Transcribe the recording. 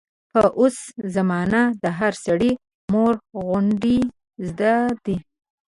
په اوس زمانه د هر سړي مورغودۍ زده دي.